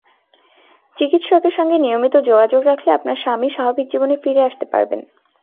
চিকিৎসকের সঙ্গে নিয়মিত যোগাযোগ রাখলে আপনার স্বামী স্বাভাবিক জীবনে ফিরে আসতে পারবেন।